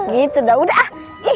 gitu dah udah ah